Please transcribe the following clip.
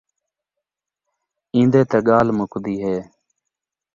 ایندے تے ڳالھ مُکدی ہے